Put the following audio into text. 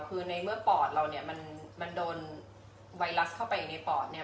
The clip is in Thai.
คือในเมื่อปอดเราเนี่ยมันโดนไวรัสเข้าไปในปอดเนี่ย